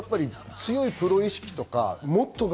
強いプロ意識とか、もっと頑